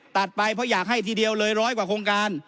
ตัดไปเพราะอยากให้ทีเดียวเลยร้อยกว่าโครงการ